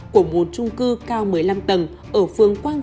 của một trung cư cao một mươi năm tầng ở phương quảng ngọc